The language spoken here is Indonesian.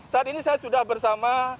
saat ini saya sudah bersama